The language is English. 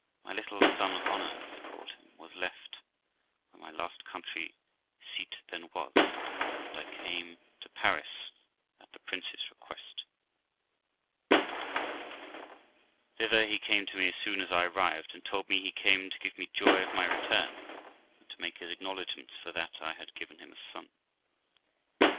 My little son of honour, as I called him, 250 THE LIFE OF ROXANA was left at , where my last country seat then was, and I came to Paris at the prince's request. Thither he came to me as soon as I arrived, and told me he came to give me joy of my return, and to make his acknow ledgments for that I had given him a son.